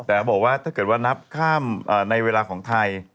แต่บอกว่าถ้าเกิดว่านับข้ามในเวลาของไทย